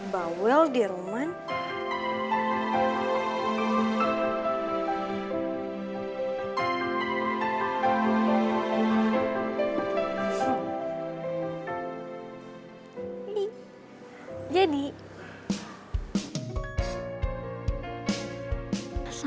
bawel di rumah